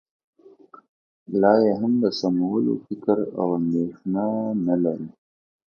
لا یې هم د سمولو فکر او اندېښنه نه لرو